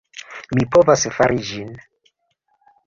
Mi povas fari ĝin.